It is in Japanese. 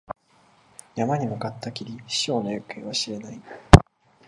山に向かったきり、師匠の行方は知れない。